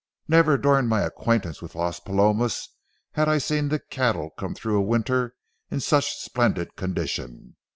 Never during my acquaintance with Las Palomas had I seen the cattle come through a winter in such splendid condition.